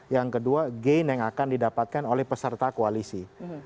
yang kedua gain yang akan didapatkan oleh peserta koalisi